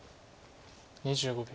２５秒。